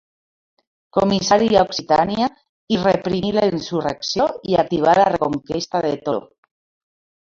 Comissari a Occitània, hi reprimí la insurrecció i activà la reconquesta de Toló.